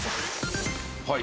はい。